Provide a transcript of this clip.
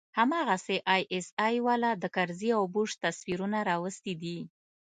هماغسې آى اس آى والا د کرزي او بوش تصويرونه راوستي دي.